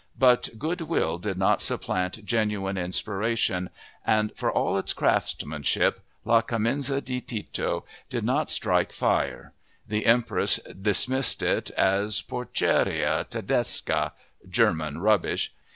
But good will did not supplant genuine inspiration and, for all its craftsmanship, La Clemenza di Tito did not strike fire. The Empress dismissed it as porcheria tedesca (German rubbish).